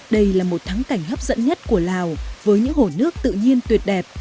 đây là một thắng cảnh hấp dẫn nhất của lào với những hồ nước tự nhiên tuyệt đẹp